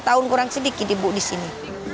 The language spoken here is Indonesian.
tiga puluh tahun kurang sedikit ibu di sini